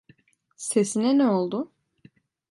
Sesine ne oldu?